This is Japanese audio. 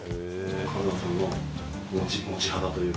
和真さんのもち肌というか。